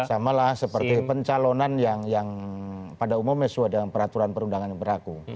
samalah seperti pencalonan yang pada umumnya sudah ada peraturan perundangan yang beraku